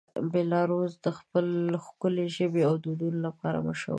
بیلاروس د خپل ښکلې ژبې او دودونو لپاره مشهوره دی.